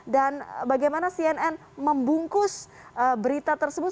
dan bagaimana cnn membungkus berita tersebut